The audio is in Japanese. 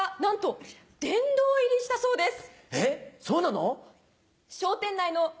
そうなの？